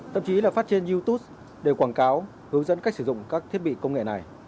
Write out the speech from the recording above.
thậm chí là phát trên youtube đều quảng cáo hướng dẫn cách sử dụng các thiết bị công nghệ